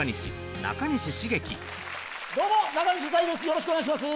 よろしくお願いします。